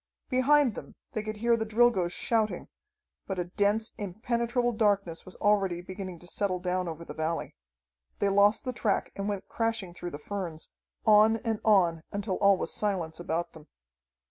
Behind them they could hear the Drilgoes shouting, but a dense, impenetrable darkness was already beginning to settle down over the valley. They lost the track and went crashing through the ferns, on and on until all was silence about them.